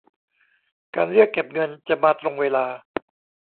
การเรียกเก็บเงินจะมาตรงเวลา